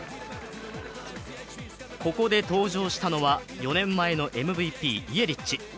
ここで登場したのは、４年前のＭＶＰ・イエリッチ。